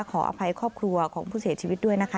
ขออภัยครอบครัวของผู้เสียชีวิตด้วยนะคะ